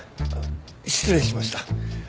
失礼しました。